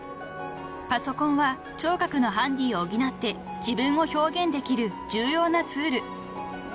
［パソコンは聴覚のハンディを補って自分を表現できる重要なツール］